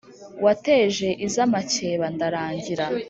wateje iz’amakeba ndarangira.